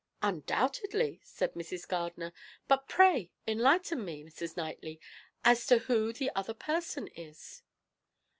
"Undoubtedly," said Mrs. Gardiner; "but pray enlighten me, Mrs. Knightley, as to who the other person is."